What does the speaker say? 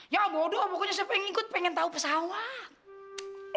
ya bodoh pokoknya saya pengen ikut pengen tahu pesawat